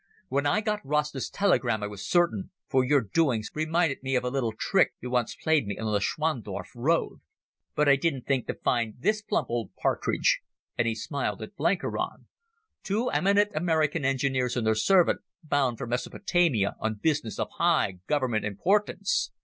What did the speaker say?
When I got Rasta's telegram I was certain, for your doings reminded me of a little trick you once played me on the Schwandorf road. But I didn't think to find this plump old partridge," and he smiled at Blenkiron. "Two eminent American engineers and their servant bound for Mesopotamia on business of high Government importance!